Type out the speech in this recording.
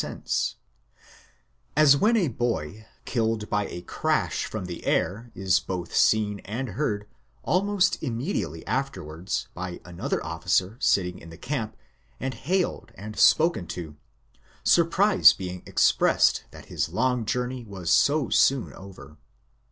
576 The Outline of Science As when a boy killed by a crash from the air is both seen and heard, almost immediately afterwards, by another officer sit ting in the camp, and hailed and spoken to; surprise being ex pressed that his long journey was so soon over.